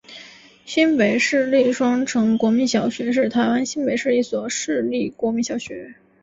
新北市立双城国民小学是台湾新北市一所市立国民小学。